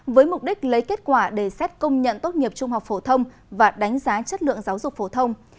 với mục đích lấy kết quả để xét công nhận tốt nghiệp trung học phổ thông và đánh giá chất lượng giáo dục phổ thông